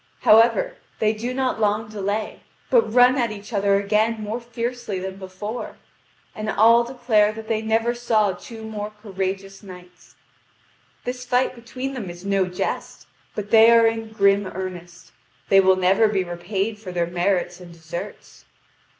However, they do not long delay, but run at each other again more fiercely than before. And all declare that they never saw two more courageous knights. "This fight between them is no jest, but they are in grim earnest. They will never be repaid for their merits and deserts."